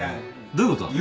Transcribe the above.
どういうことなの？